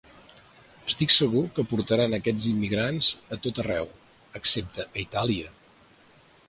Estic segur que portaran aquests immigrants a tot arreu, excepte a Itàlia.